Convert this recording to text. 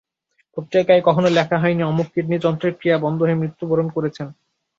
পত্রিকায় কখনো লেখা হয় নি অমুক কিডনিযন্ত্রের ক্রিয়া বন্ধ হয়ে মৃত্যুবরণ করেছেন।